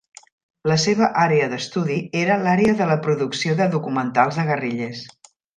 La seva àrea d'estudi era l'àrea de la producció de documentals de guerrillers.